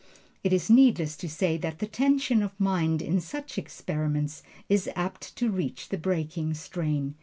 It is needless to say that the tension of mind in such experiments is apt to reach the breaking strain.